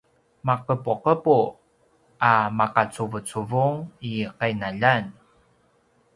maqepuqepu a maqacuvucuvung i qinaljan